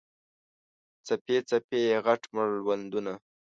څپې، څپې یې، غټ مړوندونه